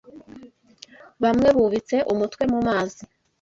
Bamwe bubitse umutwe mu mazi